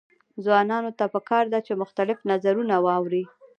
ځوانانو ته پکار ده چې، مختلف نظرونه واوري.